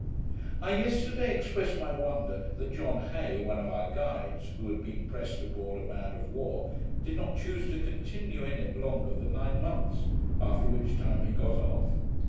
I yesterday expressed my wonder that John Hay, one of our guides, who had been pressed aboard a man of war, did not choose to continue in it longer than nine months, after which time he got off.